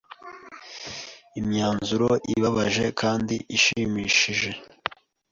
Imyanzuro ibabaje kandi ishimishije